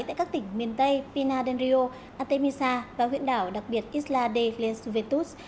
tại các tỉnh miền tây pina del rio artemisa và huyện đảo đặc biệt isla de flesvetus